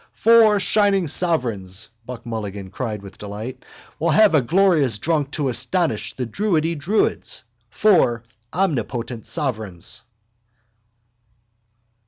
—Four shining sovereigns, Buck Mulligan cried with delight. We'll have a glorious drunk to astonish the druidy druids. Four omnipotent sovereigns.